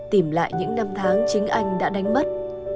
tìm lại những năm tháng chính anh đã đánh mất